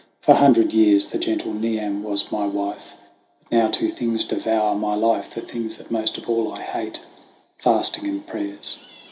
for a hundred years The gentle Niamh was my wife ; But now two things devour my life ; The things that most of all I hate : Fasting and prayers.